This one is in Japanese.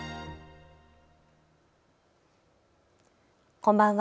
こんばんは。